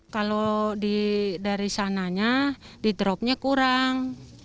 kalau dari sananya di dropnya kurang